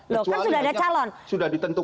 loh kan sudah ada calon